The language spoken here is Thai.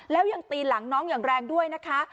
แล้วยังตีหลังน้องอย่างแรงด้วยนะคะ